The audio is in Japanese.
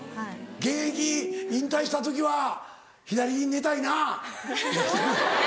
現役引退した時は左に寝たいな。